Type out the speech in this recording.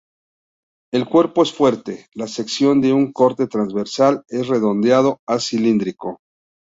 El cuerpo es fuerte, la sección de un corte transversal es redondeado a cilíndrico.